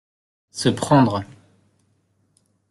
Se prendre.